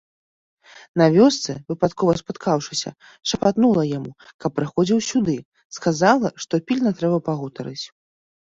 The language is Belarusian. На вёсцы, выпадкова спаткаўшыся, шапатнула яму, каб прыходзіў сюды, сказала, што пільна трэба пагутарыць.